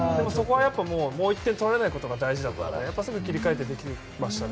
もう１点取られないことが大事だったのですぐ切り替えてできましたね。